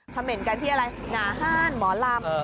เมนต์กันที่อะไรหนาห้านหมอลำ